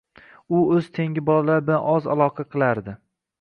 U “o’z tengi bolalar bilan oz aloqa qilar